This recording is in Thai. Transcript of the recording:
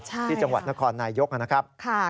ใช่ค่ะที่จังหวัดนครนายกนะครับค่ะค่ะ